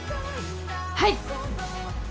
はい！